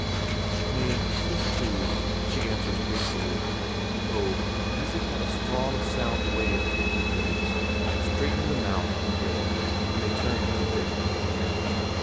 "Nay, 'tis true," she answers gratefully. Oh, Isak had a strong, sound way of taking things; straightened them out, he did, when they turned crooked.